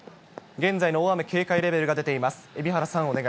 現在の大雨警戒レベルが出ています。